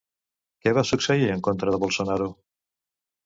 Què va succeir en contra de Bolsonaro?